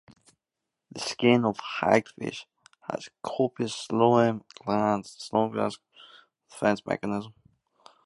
The skin of hagfish has copious slime glands, the slime constituting their defense mechanism.